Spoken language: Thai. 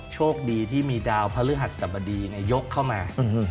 โชคดีที่มีดาวพระฤหัสสบดียกเข้ามา